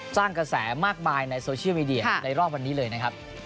สร้างกระแสมากมายในโซเชียลมีเดียในรอบวันนี้เลยนะครับ